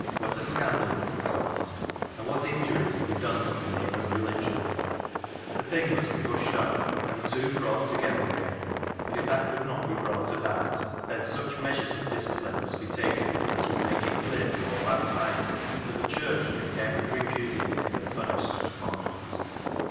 What a scandal would be caused, and what injury would be done to the name of religion ! The thing must be hushed up and the two brought together again ; and if that could not be brought about, then such measures of disci pline must be taken as v/ould make it clear to 103 I04 CLOG SHOP CHRONICLES all outsiders that the Church condemned, re pudiated, and punished such conduct.